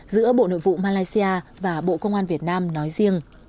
giữa bộ nội vụ malaysia và bộ công an việt nam nói riêng